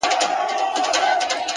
وي لكه ستوري هره شــپـه را روان!